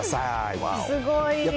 すごい。